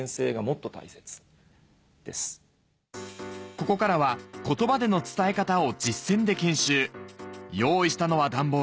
ここからは言葉での伝え方を実践で研修用意したのは段ボール